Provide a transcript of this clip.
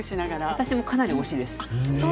私もかなりの推しです。